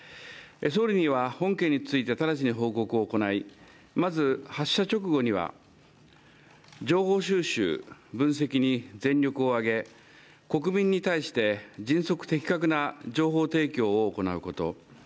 総理には本件について直ちに報告を行い、まず発射直後には情報収集、分析に全力を挙げ国民に対して迅速・的確な情報提供を行うこと。